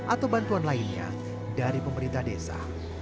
atau bantuan lainnya dari pemerintah desa